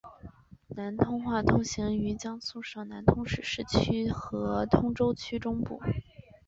南通话通行于江苏省南通市市区和通州区中西部。